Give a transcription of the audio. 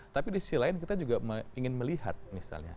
tapi di sisi lain kita juga ingin melihat misalnya